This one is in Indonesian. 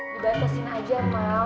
dibatasiin aja mak